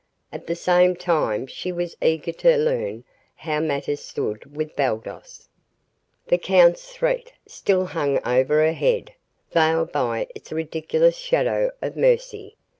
At the same time she was eager to learn how matters stood with Baldos. The count's threat still hung over her head, veiled by its ridiculous shadow of mercy.